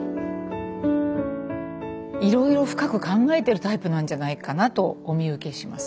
いろいろ深く考えてるタイプなんじゃないかなとお見受けします。